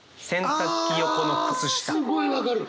すごい分かる！